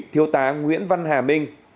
thiếu tá nguyễn văn hà minh